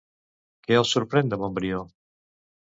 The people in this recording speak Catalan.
Què el sorprèn de Montbrió?